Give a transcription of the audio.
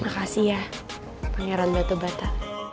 makasih ya pangeran batu bata